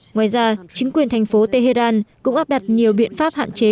ngoài ra chính quyền thành phố tehran cũng áp đặt nhiều biện pháp hạn chế